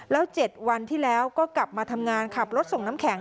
แล้ว๗วันที่แล้วก็กลับมาทำงานขับรถส่งน้ำแข็ง